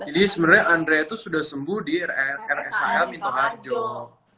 jadi sebenarnya andrea itu sudah sembuh di rsa almin toharjo